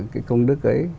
cái công đức ấy